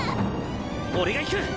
俺が行く！